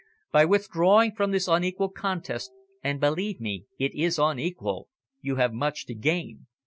By withdrawing from this unequal contest and, believe me, it is unequal you have much to gain."